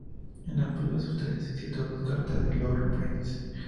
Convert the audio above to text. En apoyo a su tesis, citó dos cartas de Lord Bryce.